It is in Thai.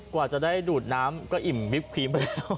กว่าจะได้ดูดน้ำก็อิ่มวิปครีมไปแล้ว